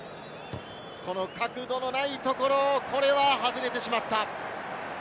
角度のないところ、これは外れてしまった。